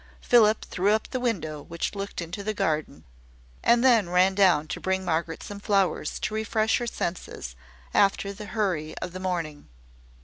Philip threw up the window which looked into the garden, and then ran down to bring Margaret some flowers to refresh her senses after the hurry of the morning.